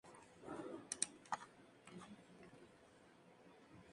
Unos primeros que son relatos muy influidos por la lírica moderna.